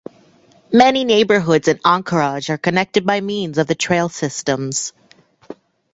Many neighborhoods in Anchorage are connected by means of the trail systems.